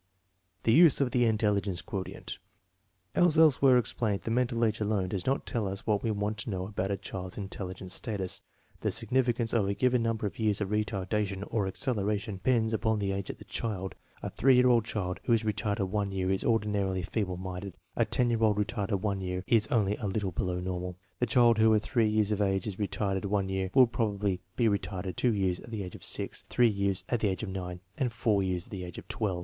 The use of the intelligence quotient. As elsewhere ex plained, the mental age alone does not tell us what we want to know about a child's intelligence status. The significance of a given number of years of retardation or acceleration depends upon the age of the child. A 3 year old child who is retarded one year is ordinarily feeble minded; a 10 year old retarded one year is only a little below normal. The child who at 3 years of age is retarded one year will prob ably be retarded two years at the age of 6, three years at the age of 9, and four years at the age of 12.